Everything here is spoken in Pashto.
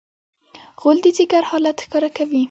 غول د ځیګر حالت ښکاره کوي.